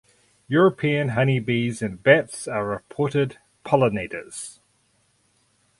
European honey bees and bats are reported pollinators.